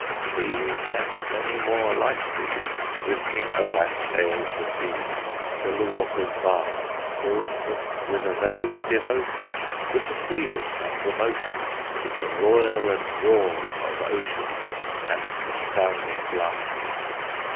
These, and many more like these, With King Olaf sailed the seas, Till the waters vast Filled them with a vague devotion, With the freedom and the motion, With the roll and roar of ocean And the sounding blast.